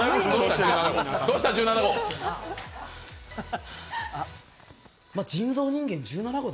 どうした１７号？